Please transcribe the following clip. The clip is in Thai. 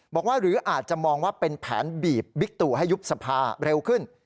หรือว่าหรืออาจจะมองว่าเป็นแผนบีบบิ๊กตู่ให้ยุบสภาเร็วขึ้น